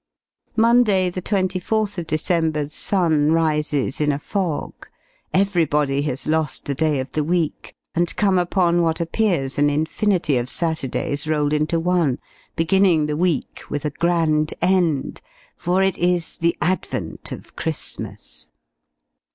'" Monday, the 24th December's sun rises in a fog: everybody has lost the day of the week, and come upon what appears an infinity of Saturdays rolled into one beginning the week with a grand end, for it is the advent of Christmas!